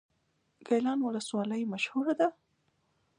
ګیلان ولسوالۍ مشهوره ده؟